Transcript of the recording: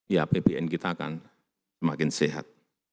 ya pbn kita akan semakin sehat